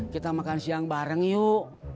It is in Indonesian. kita makan siang bareng yuk